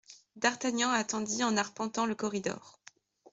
D'Artagnan attendit en arpentant le corridor.